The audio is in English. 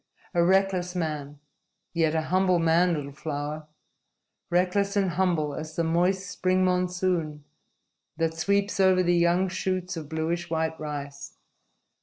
"A reckless man yet a humble man, little flower. Reckless and humble as the moist spring monsoon that sweeps over the young shoots of bluish white rice.